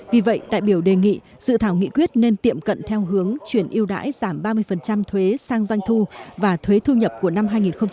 vì vậy đại biểu đề nghị dự thảo nghị quyết nên tiệm cận theo hướng chuyển yêu đãi giảm ba mươi thuế sang doanh thu và thuế thu nhập của năm hai nghìn hai mươi